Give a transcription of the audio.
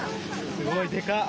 すごい、でかっ。